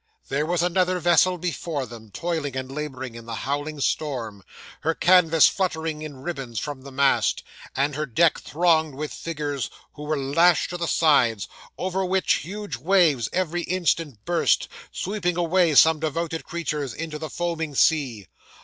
There was another vessel before them, toiling and labouring in the howling storm; her canvas fluttering in ribbons from the mast, and her deck thronged with figures who were lashed to the sides, over which huge waves every instant burst, sweeping away some devoted creatures into the foaming sea.